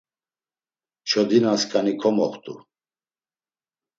Çodinaskani komoxtu.